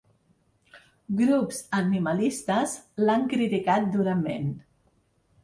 Grups animalistes l’han criticat durament.